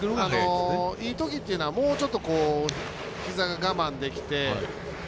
いいときというのはもうちょっとひざが我慢できて。